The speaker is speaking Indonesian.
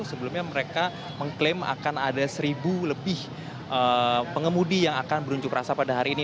sebelumnya mereka mengklaim akan ada seribu lebih pengemudi yang akan berunjuk rasa pada hari ini